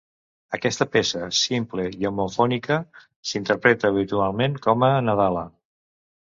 Aquesta peça, simple i homofònica, s'interpreta habitualment com a nadala.